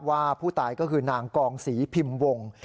ว่าผู้ตายก็คือนางกองศรีพิมพ์วง